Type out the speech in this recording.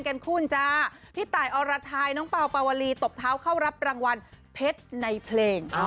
เกรงคุณท่ายไทยน้องเป่าเปามวลีตบเท้าเข้ารับรางวัลเผ็ดในเพลง